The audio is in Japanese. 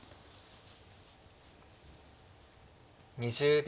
２０秒。